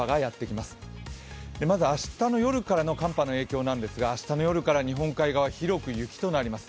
まず明日の夜からの寒波の様子なんですが明日の夜から日本海側、広く雪となります。